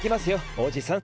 おじさん。